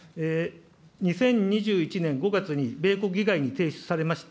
２０２１年５月に、米国議会に提出されました